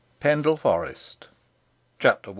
Pendle Forest. CHAPTER I.